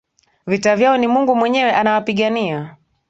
Vita vyao ni Mungu mwenyewe anawapigania.